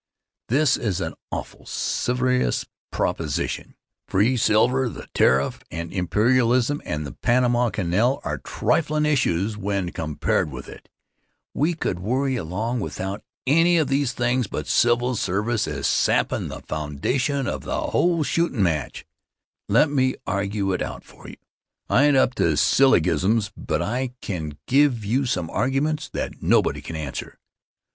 This is an awful serious proposition. Free silver and the tariff and imperialism and the Panama Canal are triflin' issues when compared to it. We could worry along without any of these things, but civil service is sappin' the foundation of the whole shootin' match, let me argue it out for you. I ain't up on sillygisms, but I can give you some arguments that nobody can answer.